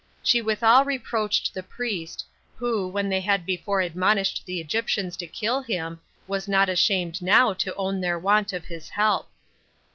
She withal reproached the priest, who, when they had before admonished the Egyptians to kill him, was not ashamed now to own their want of his help.